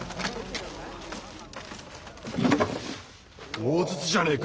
・大筒じゃねえか。